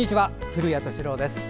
古谷敏郎です。